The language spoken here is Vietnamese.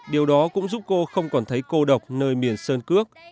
điều đó cũng giúp cô không còn thấy cô độc nơi miền sơn cước